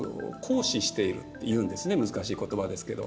難しい言葉ですけど。